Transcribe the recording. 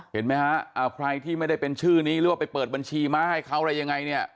เห็นไหมฮะใครที่ไม่ได้เป็นชื่อนี้หรือว่าไปเปิดบัญชีม้าให้เขาอะไรยังไงเนี่ย